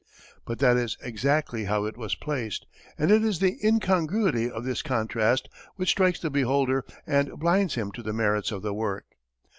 But that is exactly how it was placed, and it is the incongruity of this contrast which strikes the beholder and blinds him to the merits of the work.